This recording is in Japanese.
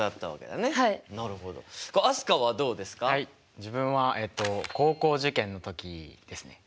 自分はえっと高校受験の時ですね。